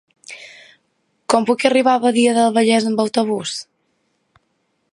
Com puc arribar a Badia del Vallès amb autobús?